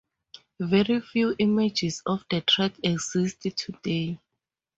Very few images of the track exist today.